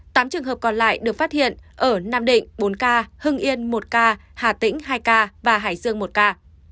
tám trường hợp còn lại được phát hiện ở nam định bốn ca hưng yên một ca hà tĩnh hai ca và hải dương một ca